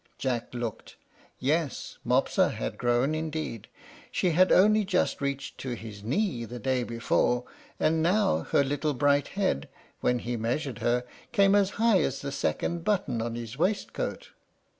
Jack looked. Yes, Mopsa had grown indeed; she had only just reached to his knee the day before, and now her little bright head, when he measured her, came as high as the second button of his waistcoat.